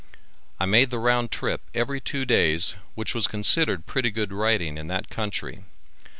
I made the round trip every two days which was considered pretty good riding in that country.